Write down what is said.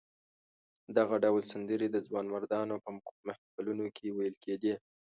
دغه ډول سندرې د ځوانمردانو په محفلونو کې ویل کېدې.